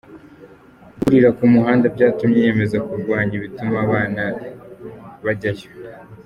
Gukurira ku muhanda byatumye yiyemeza kurwanya ibituma abana bajyayo.